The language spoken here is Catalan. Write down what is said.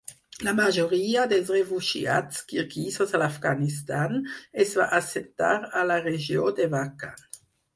La majoria de refugiats kirguisos a l'Afganistan es va assentar a la regió de Wakhan.